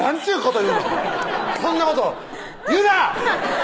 でなんそんなこと言うな！